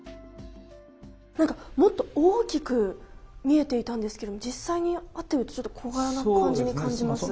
何かもっと大きく見えていたんですけど実際に会ってみるとちょっと小柄な感じに感じます。